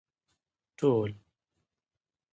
ټول